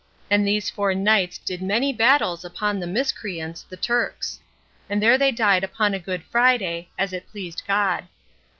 And these four knights did many battles upon the miscreants, the Turks; and there they died upon a Good Friday, as it pleased God.